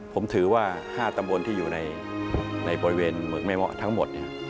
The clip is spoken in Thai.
ผมถือว่า๕ตำบลที่อยู่ในบริเวณหมึกแม่เหมาะทั้งหมด